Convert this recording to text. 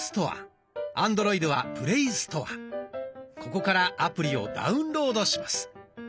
ここからアプリをダウンロードします。